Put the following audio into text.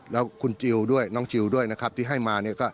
แล้วคุณจิลด้วยน้องจิลด้วยนะครับที่ให้มาเนี่ยก็